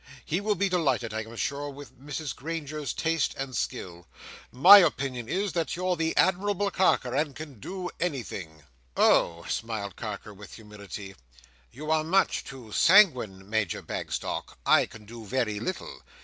He will be delighted, I am sure, with Mrs Granger's taste and skill." "Damme, Sir!" cried Major Bagstock, "my opinion is, that you're the admirable Carker, and can do anything." "Oh!" smiled Carker, with humility, "you are much too sanguine, Major Bagstock. I can do very little.